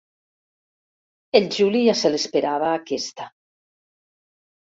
El Juli ja se l'esperava, aquesta.